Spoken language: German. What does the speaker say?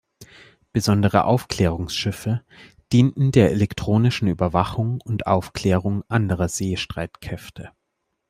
Besondere Aufklärungsschiffe dienten der elektronischen Überwachung und Aufklärung anderer Seestreitkräfte.